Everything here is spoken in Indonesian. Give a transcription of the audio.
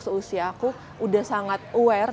seusia aku udah sangat aware